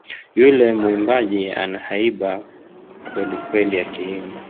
Yule muimbaji ana haiba kwelikweli akiimba